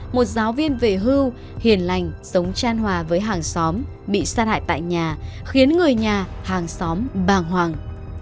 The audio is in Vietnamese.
một giáo viên về hưu hiền lành sống tran hòa với hàng xóm bị sát hại tại nhà khiến người nhà hàng xóm bàng hoàng